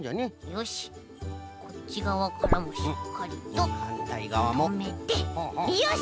よしこっちがわからもしっかりととめてよし！